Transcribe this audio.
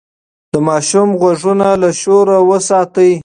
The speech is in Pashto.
د ماشوم غوږونه له شور وساتئ.